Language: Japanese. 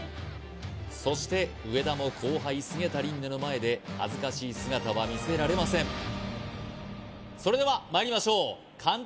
そして上田も後輩菅田琳寧の前で恥ずかしい姿は見せられませんそれではまいりましょう監督